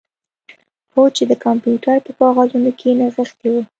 هو چې د کمپیوټر په کاغذونو کې نغښتې وه